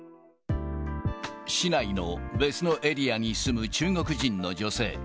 市内の別のエリアに住む中国人の女性。